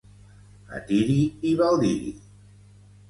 A tiri i baldiri.